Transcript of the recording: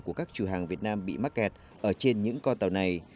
của các chủ hàng việt nam bị mắc kẹt ở trên những con tàu này